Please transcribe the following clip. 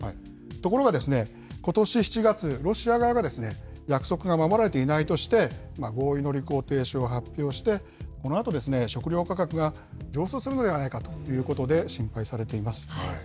ところがですね、ことし７月、ロシア側が約束が守られていないとして、合意の履行停止を発表して、このあと食料価格が上昇するのではないかということで心配されています。